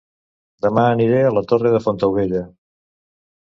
Dema aniré a La Torre de Fontaubella